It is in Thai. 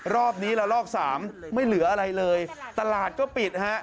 รอบนี้ละลอกสามไม่เหลืออะไรเลยตลาดก็ปิดฮะ